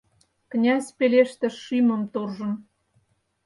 Князь пелештыш шӱмым туржын: